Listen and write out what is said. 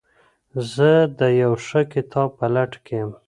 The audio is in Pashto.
زه د یو ښه کتاب په لټه کي یم.